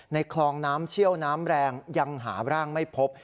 คลองน้ำเชี่ยวน้ำแรงยังหาร่างไม่พบ